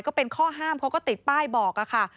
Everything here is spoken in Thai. ก็เป็นข้อห้ามเขาก็ติดป้ายบอกค่ะ